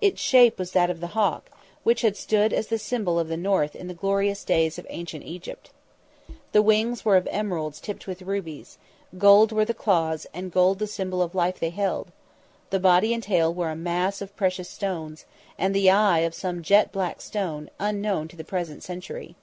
Its shape was that of the Hawk, which had stood as the symbol of the North in the glorious days of Ancient Egypt. The wings were of emeralds tipped with rubies; gold were the claws and gold the Symbol of Life they held; the body and tail were a mass of precious stones; and the eye of some jet black stone, unknown to the present century.